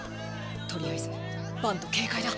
とりあえずバント警戒だ。